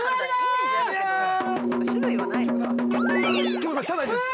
◆京子さん、車内です。